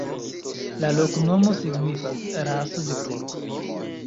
La loknomo signifas: raso de porko.